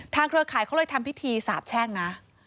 เครือข่ายเขาเลยทำพิธีสาบแช่งนะ